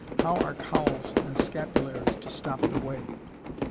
How are cowls and scapularies to stop the way?"